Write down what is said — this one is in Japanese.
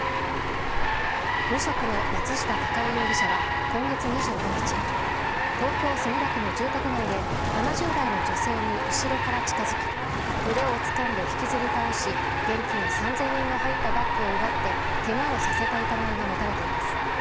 無職の松下貴生容疑者は今月２５日東京・墨田区の住宅街で７０代の女性に後ろから近づき腕をつかんで引きずり倒し現金３０００円が入ったバッグを奪ってけがをさせた疑いが持たれています。